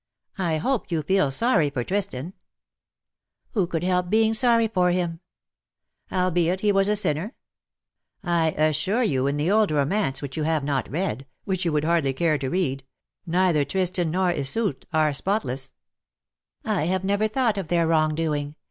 I hope you feel sorry for Tristan V^ FROM WINTRY COLD." 119 " Who could help being sorry for him T' '' Albeit he was a sinner ? I assure you, in the old romance which you have not read — which you would hardly care to read — neither Tristan nor Iseult are spotless/^ "J. have never thought of their wrong doing.